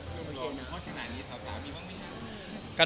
เป็นคนของขนาดนี้สาวมีบ้างมั้ยครับ